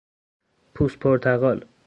پوست پرتقال